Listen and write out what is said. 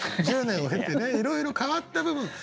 １０年を経ていろいろ変わった部分。